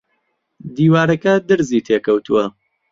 دیوارەکە درزی تێ کەوتووە